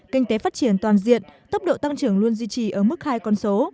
kinh tế phát triển toàn diện tốc độ tăng trưởng luôn duy trì ở mức hai con số